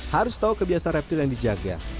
harus tahu kebiasaan reptil yang dijaga